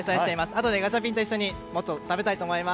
あとでガチャピンと一緒にもっと食べたいと思います。